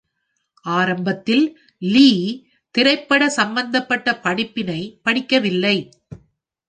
ஆரம்பத்தில் லீ திரைப்பட சம்பந்தப்பட்ட படிப்பினை படிக்கவில்லை.